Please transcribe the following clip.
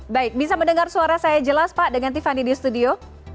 baik bisa mendengar suara saya jelas pak dengan tiffany di studio